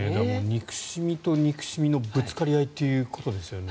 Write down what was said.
憎しみと憎しみのぶつかり合いということですよね。